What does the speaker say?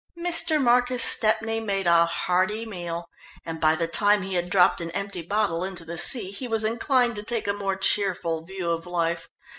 Mr. Marcus Stepney made a hearty meal, and by the time he had dropped an empty bottle into the sea, he was inclined to take a more cheerful view of life.